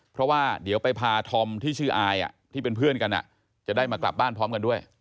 เพราะว่าเดี๋ยวไปพาธอมที่ชื่ออายที่เป็นเพื่อนกันจะได้มากลับบ้านพร้อมกันด้วย